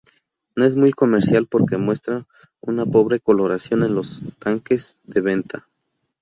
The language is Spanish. No es muy comercial porque muestra una pobre coloración en los tanques de venta.